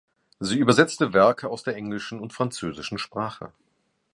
Sie übersetzte Werke aus der englischen und französischen Sprache.